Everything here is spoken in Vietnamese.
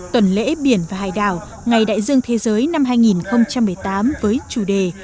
tuần lễ biển và hải đảo ngày đại dương thế giới năm hai nghìn một mươi tám với chủ đề